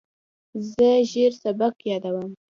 زه ژر سبق یادوم.